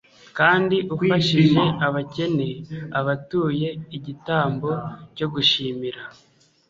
kandi ufashije abakene, aba atuye igitambo cyo gushimira